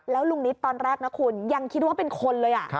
แล้วลุงนิดตอนแรกนะคุณยังคิดว่าเป็นคนเลย